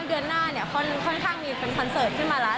เดือนหน้าเนี่ยค่อนข้างมีเป็นคอนเสิร์ตขึ้นมาแล้ว